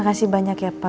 makasih banyak ya pa ma